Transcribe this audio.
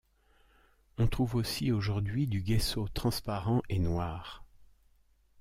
On trouve aussi aujourd'hui du gesso transparent et noir.